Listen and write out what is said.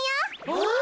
お！